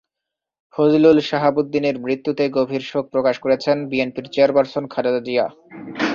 ফজল শাহাবুদ্দীনের মৃত্যুতে গভীর শোক প্রকাশ করেছেন বিএনপির চেয়ারপারসন খালেদা জিয়া।